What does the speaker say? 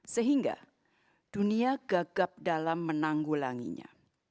sehingga dunia gagap dalam menanggulanginya